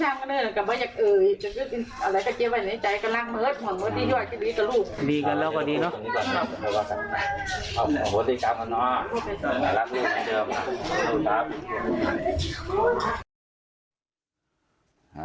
ดีกันแล้วก็ดีเนอะ